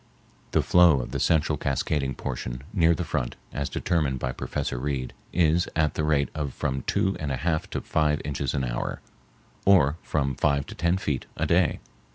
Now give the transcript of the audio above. The flow of the central cascading portion near the front, as determined by Professor Reid, is at the rate of from two and a half to five inches an hour, or from five to ten feet a day.